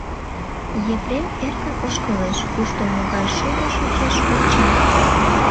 Епрем эркын ошкылеш, кушто могай шудо шочеш — онча.